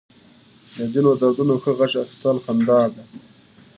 له ځينو دردونو ښه غچ اخيستل خندا ده.